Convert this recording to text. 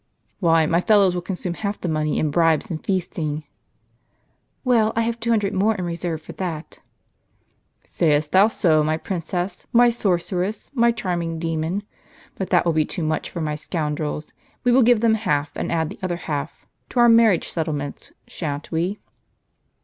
Why, my fellows will consume half the money, in bribes and feasting." "Well, I have two hundred more in reserve for that." " Say est thou so, my princess, my sorceress, my charming demon? But that will be too much for my scoundrels. We will give them half, and add the other half — to our marriage settlements, shan't we